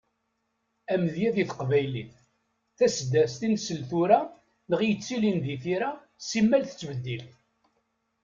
Amedya di teqbaylit: Taseddast i nsell tura neɣ i yettilin di tira, simmal tettbeddil.